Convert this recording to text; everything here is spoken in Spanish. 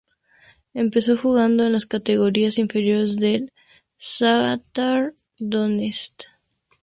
Empezó jugando en las categorías inferiores del Shakhtar Donetsk.